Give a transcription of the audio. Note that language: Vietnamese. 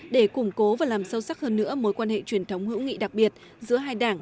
để củng cố và làm sâu sắc hơn nữa mối quan hệ truyền thống hữu nghị đặc biệt giữa hai đảng